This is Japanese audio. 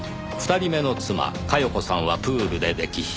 ２人目の妻加世子さんはプールで溺死。